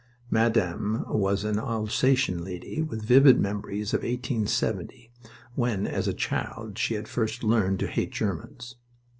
(Madame was an Alsatian lady with vivid memories of 1870, when, as a child, she had first learned to hate Germans.)